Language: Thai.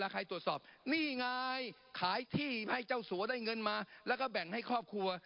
ใครตรวจสอบนี่ไงขายที่ให้เจ้าสัวได้เงินมาแล้วก็แบ่งให้ครอบครัว